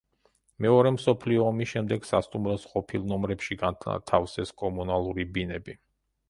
მეორე მსოფლიო ომის შემდეგ სასტუმროს ყოფილ ნომრებში განათავსეს კომუნალური ბინები.